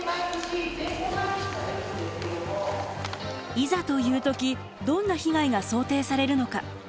いざという時どんな被害が想定されるのか？